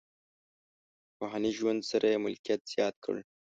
روحاني ژوند سره یې ملکیت زیات کړ.